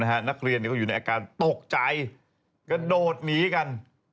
นักเรียนก็อยู่ในอาการตกใจกระโดดหนีกัน